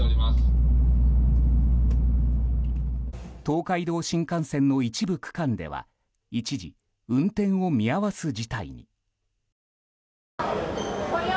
東海道新幹線の一部区間では一時、運転を見合わす事態に。